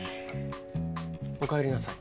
おかえりなさい。